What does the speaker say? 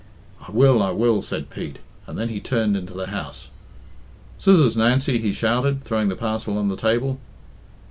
"I will, I will," said Pete; and then he turned into the house. "Scissors, Nancy," he shouted, throwing the parcel on the table.